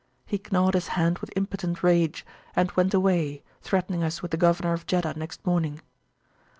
He gnawed his hand with impotent rage, and went away, threatening us with the Governor of Jeddah next morning.